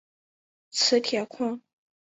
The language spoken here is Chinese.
磁铁矿。